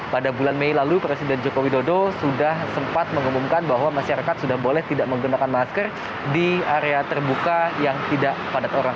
pada bulan mei lalu presiden joko widodo sudah sempat mengumumkan bahwa masyarakat sudah boleh tidak menggunakan masker di area terbuka yang tidak padat orang